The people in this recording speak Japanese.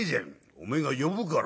「おめえが呼ぶからよ」。